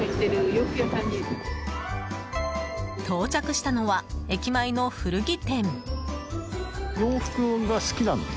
到着したのは、駅前の古着店。